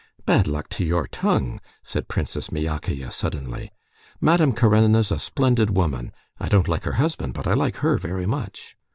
"Bad luck to your tongue!" said Princess Myakaya suddenly. "Madame Karenina's a splendid woman. I don't like her husband, but I like her very much."